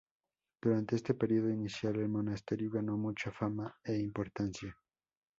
Durante este periodo inicial el monasterio ganó mucha fama e importancia.